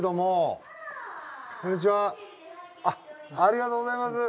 ありがとうございます。